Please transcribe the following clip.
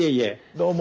どうも。